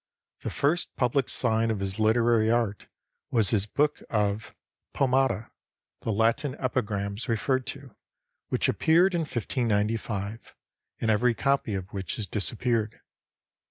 The first public sign of his literary art was his book of 'Poemata,' the Latin epigrams referred to, which appeared in 1595, and every copy of which has disappeared.